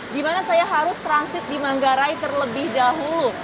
di mana saya harus transit di manggarai terlebih dahulu